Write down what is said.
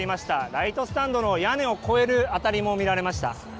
ライトスタンドの屋根を越える当たりも見られました。